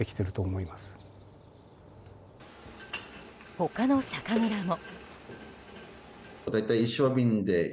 他の酒蔵も。